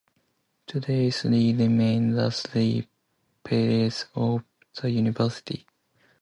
Today, these remain the three pillars of the university.